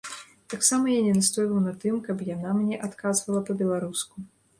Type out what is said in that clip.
Таксама я не настойваў на тым, каб яна мне адказвала па-беларуску.